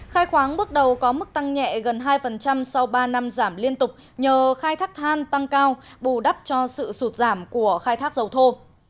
khai khoáng bước đầu có mức tăng nhẹ gần hai sau ba năm giảm liên tục nhờ khai thác than tăng cao bù đắp cho sự sụt giảm của khai thác dầu thô